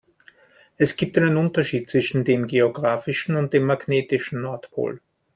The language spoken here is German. Es gibt einen Unterschied zwischen dem geografischen und dem magnetischen Nordpol.